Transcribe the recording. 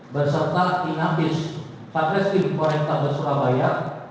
berserta kinabis satres tim korek tanda surabaya